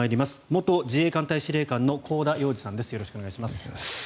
元自衛隊司令官の香田洋二さんです。